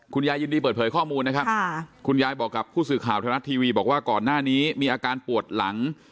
คุณยายยินดีเปิดเผยข้อมูลนะครับคุณยายบอกกับผู้สื่อข่าวไทยรัฐทีวีบอกว่าก่อนหน้านี้มีอาการปวดหลัง